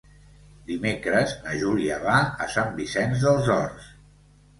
Dimecres na Júlia va a Sant Vicenç dels Horts.